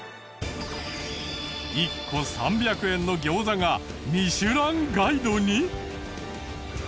１個３００円の餃子が『ミシュランガイド』に？